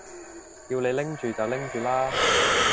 叫你拎住就拎住啦